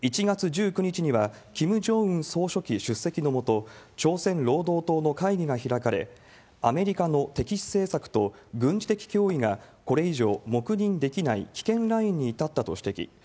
１月１９日には、キム・ジョンウン総書記出席のもと、朝鮮労働党の会議が開かれ、アメリカの敵視政策と軍事的脅威がこれ以上黙認できない危険ラインに至ったと指摘。